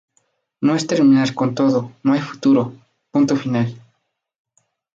No es terminar con todo, no hay futuro, punto final.